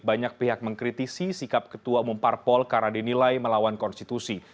banyak pihak mengkritisi sikap ketua umum parpol karena dinilai melawan konstitusi